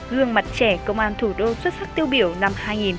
gương mặt trẻ công an thủ đô xuất sắc tiêu biểu năm hai nghìn một mươi hai